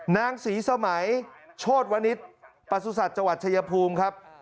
นางศรีสมัยโชธวนิษฐ์ประสุทธิ์จังหวัดชายภูมิครับ